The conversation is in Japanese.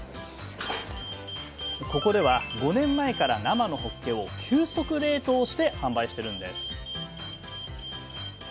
ここでは５年前から生のほっけを急速冷凍して販売してるんです